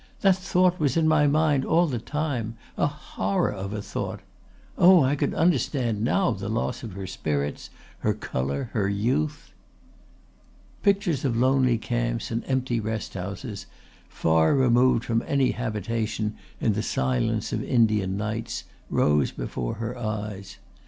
"That thought was in my mind all the time a horror of a thought. Oh, I could understand now the loss of her spirits, her colour, her youth." Pictures of lonely camps and empty rest houses, far removed from any habitation in the silence of Indian nights, rose before her eyes.